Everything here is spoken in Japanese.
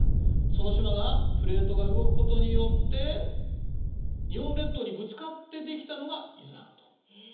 その島がプレートが動くことによって日本列島にぶつかって出来たのが伊豆半島。